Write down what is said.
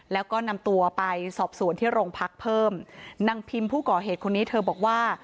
แล้วก็นำตัวไปสอบสวนที่โรงพักเพิ่มนางพิมผู้ก่อเหตุคนนี้เธอบอกว่า